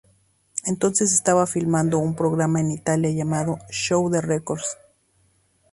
Entonces estaba filmando un programa en Italia llamado "Show de los Records".